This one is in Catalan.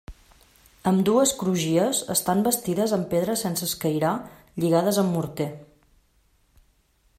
Ambdues crugies estan bastides amb pedra sense escairar lligades amb morter.